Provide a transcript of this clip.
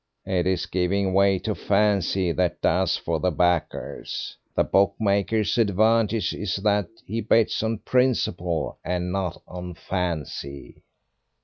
"It is giving way to fancy that does for the backers. The bookmaker's advantage is that he bets on principle and not on fancy."